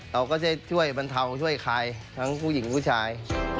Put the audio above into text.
เราก็จะช่วยบรรเทาช่วยคลายทั้งผู้หญิงผู้ชาย